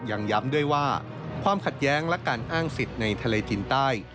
ยังย้ำด้วยว่าความขัดแย้งและการอ้างสิทธิ์ในทะเลจินใต้